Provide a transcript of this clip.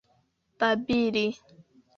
babili